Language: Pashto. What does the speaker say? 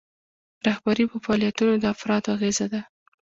رهبري په فعالیتونو د افرادو اغیزه ده.